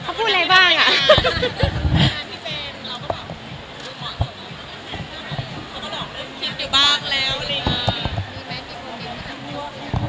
เขาพูดอะไรบ้างอะ